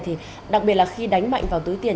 thì đặc biệt là khi đánh mạnh vào túi tiền